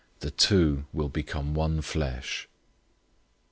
The two will become one flesh."